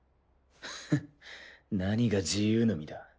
フッ何が自由の身だ。